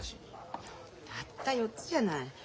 たった４つじゃない。